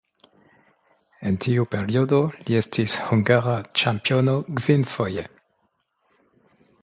En tiu periodo li estis hungara ĉampiono kvinfoje.